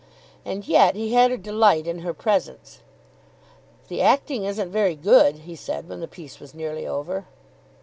And yet he had a delight in her presence. "The acting isn't very good," he said when the piece was nearly over.